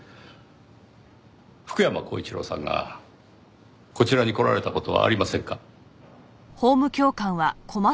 福山光一郎さんがこちらに来られた事はありませんか？